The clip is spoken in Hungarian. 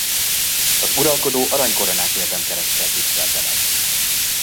Az uralkodó arany koronás érdemkereszttel tisztelte meg.